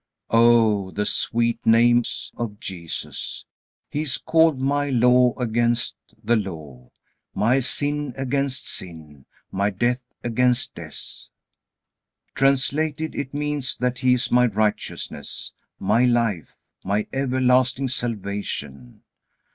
Oh, the sweet names of Jesus! He is called my law against the Law, my sin against sin, my death against death. Translated, it means that He is my righteousness, my life, my everlasting salvation.